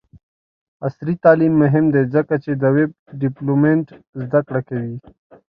عصري تعلیم مهم دی ځکه چې د ویب ډیولپمنټ زدکړه کوي.